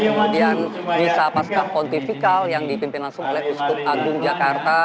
kemudian misa pascah pontifikal yang dipimpin langsung oleh uskup agung jakarta